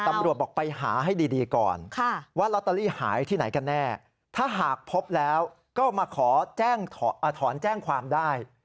บอกไปหาให้ดีก่อนว่าลอตเตอรี่หายที่ไหนกันแน่ถ้าหากพบแล้วก็มาขอถอนแจ้งความได้